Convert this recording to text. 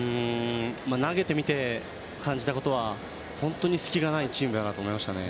投げてみて感じたことは本当に隙がないチームだと思いました。